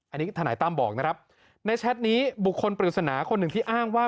อันนี้ทนายตั้มบอกนะครับในแชทนี้บุคคลปริศนาคนหนึ่งที่อ้างว่า